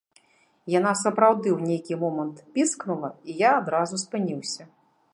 Яна сапраўды ў нейкі момант піскнула, і я адразу спыніўся.